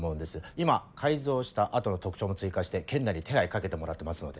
今改造した後の特徴も追加して県内に手配かけてもらってますので。